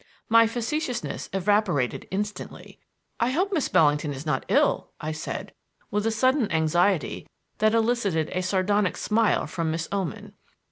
My facetiousness evaporated instantly. "I hope Miss Bellingham is not ill," I said with a sudden anxiety that elicited a sardonic smile from Miss Oman.